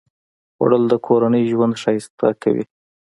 خوړل د کورنۍ ژوند ښایسته کوي